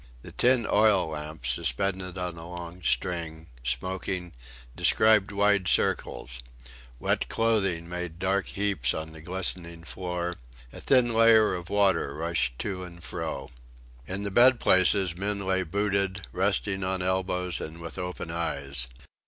The tin oil lamp suspended on a long string, smoking, described wide circles; wet clothing made dark heaps on the glistening floor; a thin layer of water rushed to and fro. In the bed places men lay booted, resting on elbows and with open eyes.